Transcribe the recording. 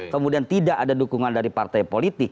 kemudian tidak ada dukungan dari partai politik